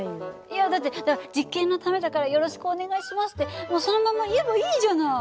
いやだってだから「実験のためだからよろしくお願いします」ってそのまま言えばいいじゃない。